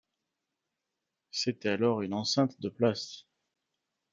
C'était alors une enceinte de places.